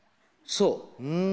そう。